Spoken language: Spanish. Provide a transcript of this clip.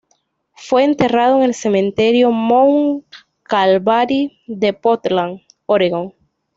Fue enterrado en el Cementerio Mount Calvary de Portland, Oregón.